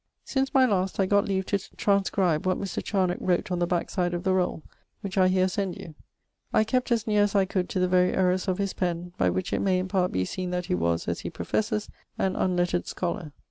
Since my last I got leave to transcribe what Mr. Charnocke wrote on the backside of the rolle, which I heer send you. I kept as neare as I could to the very errours of his pen, by which it may in part be seen that he was, as he professes, an unlettered scholar.